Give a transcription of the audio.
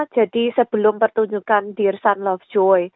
jadi sebelum pertunjukan dirsand and lovejoy